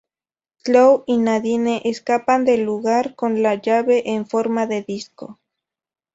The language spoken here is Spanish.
Chloe y Nadine escapan del lugar con la llave en forma de disco.